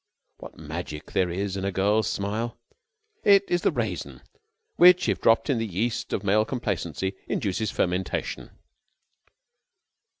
What magic there is in a girl's smile! It is the raisin which, dropped in the yeast of male complacency, induces fermentation.